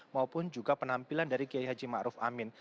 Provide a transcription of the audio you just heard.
maupun juga penampilan dari kiai haji ma'ruf amin